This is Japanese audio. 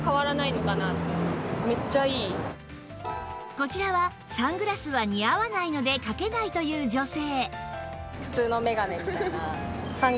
こちらはサングラスは似合わないのでかけないという女性